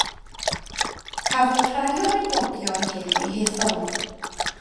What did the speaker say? Cafodd rhai o'r enwogion hyn eu hethol.